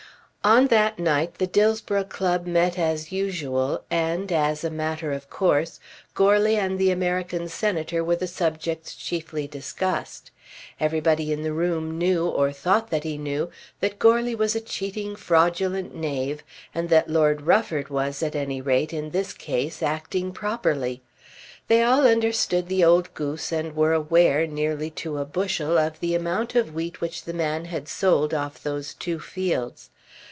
On that night the Dillsborough club met as usual and, as a matter of course, Goarly and the American Senator were the subjects chiefly discussed. Everybody in the room knew, or thought that he knew, that Goarly was a cheating fraudulent knave, and that Lord Rufford was, at any rate, in this case acting properly. They all understood the old goose, and were aware, nearly to a bushel, of the amount of wheat which the man had sold off those two fields.